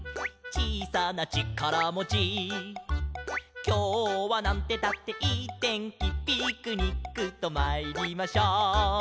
「ちいさなちからもち」「きょうはなんてったっていいてんき」「ピクニックとまいりましょう」